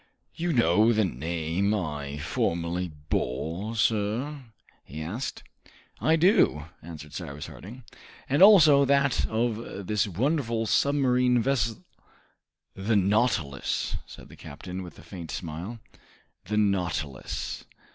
"You know the name I formerly bore, sir?" he asked. "I do," answered Cyrus Harding, "and also that of this wonderful submarine vessel " "The 'Nautilus'?" said the captain, with a faint smile. "The 'Nautilus.